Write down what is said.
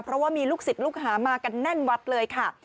เพราะว่ามีลูกศิษย์ลูกหามากันแน่นวัดเลยค่ะ